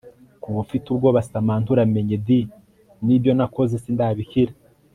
kuva ufite ubwobaSamantha uramenye di nibyo nakoze sindabikira